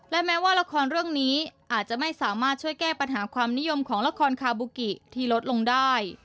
และแม้ว่าละครเรื่องนี้อาจจะไม่สามารถช่วยแก้ปัญหาความนิยมของละครคาบูกิที่ลดลงได้